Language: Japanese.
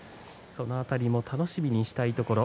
その辺りも楽しみにしたいところ。